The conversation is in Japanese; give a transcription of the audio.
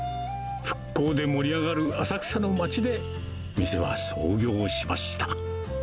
復興で盛り上がる浅草の街で、店は創業しました。